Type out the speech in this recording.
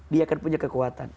dia akan punya kekuatan